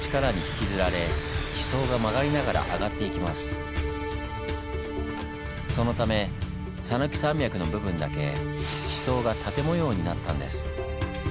ここに更にそのため讃岐山脈の部分だけ地層が縦模様になったんです。